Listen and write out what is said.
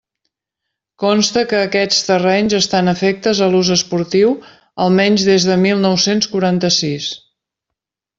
Consta que aquests terrenys estan afectes a l'ús esportiu almenys des de mil nou-cents quaranta-sis.